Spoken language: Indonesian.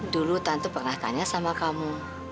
dulu tante pernah tanya sama kamu